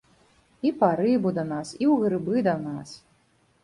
І па рыбу да нас, і ў грыбы да нас.